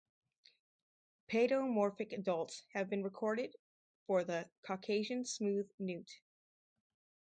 Paedomorphic adults have been recorded for the Caucasian smooth newt.